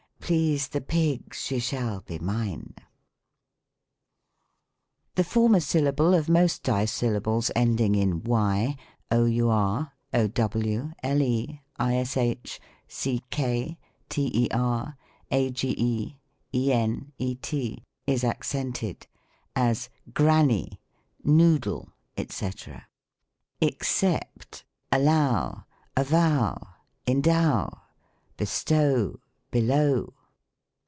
Please the pigs she shall be mine !" The former syllable of most dissyllables ending in y, our, ow, le, ish, ck, ter, age, en, et, is accented : as, "Granny, noodle," &;c. Except allow, avow, endow, bestow, below.